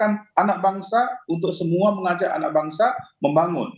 karena anak bangsa untuk semua mengajak anak bangsa membangun